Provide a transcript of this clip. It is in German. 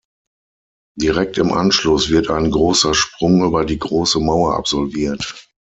Direkt im Anschluss wird ein großer Sprung über die "große Mauer" absolviert.